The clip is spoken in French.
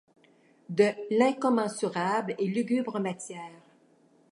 De l’incommensurable et lugubre matière ;